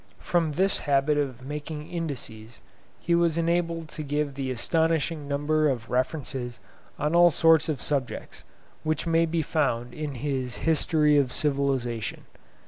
From this habit of making indices, he was enabled to give the astonishing number of references on all sorts of subjects, which may be found in his 'History of Civilisation.